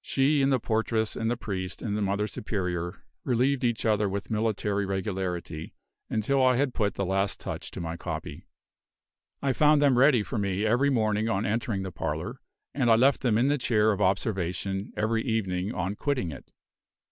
She, and the portress, and the priest, and the Mother Superior, relieved each other with military regularity, until I had put the last touch to my copy. I found them ready for me every morning on entering the parlor, and I left them in the chair of observation every evening on quitting it.